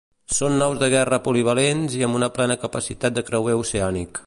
Són naus de guerra polivalents i amb plena capacitat de creuer oceànic.